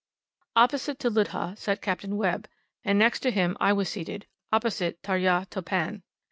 Opposite to Ludha sat Capt. Webb, and next to him I was seated, opposite Tarya Topan.